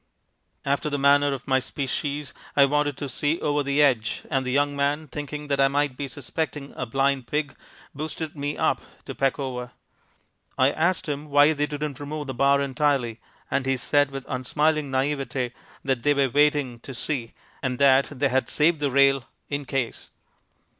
After the manner of my species I wanted to see over the edge and the young man, thinking that I might be suspecting a blind pig, boosted me up to peck over. I asked him why they didn't remove the bar entirely and he said with unsmiling naivete that they were waiting "to see" and that they had saved the rail, "in case."